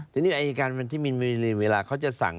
ทีนี้อายการที่มีนบุรีเวลาเขาจะสั่ง